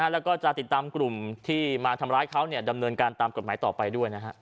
แล้วก็จะติดตามกลุ่มที่มาทำร้ายเขาดำเนินการตามกฎหมายต่อไปด้วยนะฮะ